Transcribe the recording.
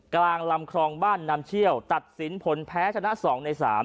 กลางลำคลองบ้านนำเชี่ยวตัดสินผลแพ้ชนะ๒ใน๓